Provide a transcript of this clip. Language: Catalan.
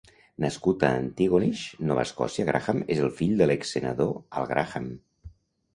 Nascut a Antigonish, Nova Escòcia, Graham és el fill de l'exsenador Al Graham.